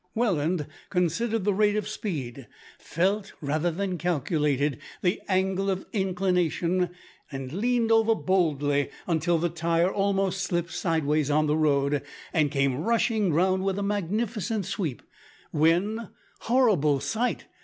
Welland considered the rate of speed; felt, rather than calculated, the angle of inclination; leaned over boldly until the tire almost slipped sideways on the road, and came rushing round with a magnificent sweep, when, horrible sight!